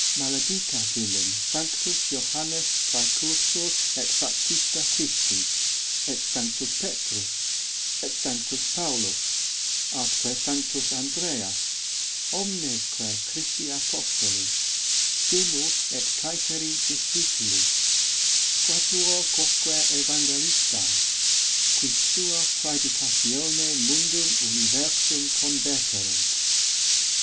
Maledicat os illum sanctus Johannes Præcursor et Baptista Christi, et sanctus Petrus, et sanctus Paulus, atque sanctus Andreas, omnesque Christi apostoli, simul et cæteri discipuli, quatuor quoque evangelistæ, qui sua prædicatione mundum universum converte os runt.